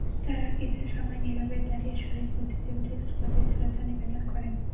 তাঁরা কিছু সময় নীরবে দাঁড়িয়ে শহীদ বুদ্ধিজীবীদের প্রতি শ্রদ্ধা নিবেদন করেন।